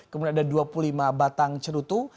kemudian ada dua puluh lima batang cerutu